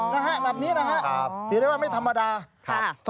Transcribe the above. นะฮะแบบนี้นะฮะที่เรียกว่าไม่ธรรมดาครับ